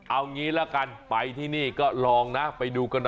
เอางี้ละกันไปที่นี่ก็ลองนะไปดูกันหน่อย